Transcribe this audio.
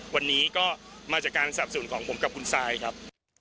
วันนี้ก็มาจากการสนับสนของผมกับคุณซายครับ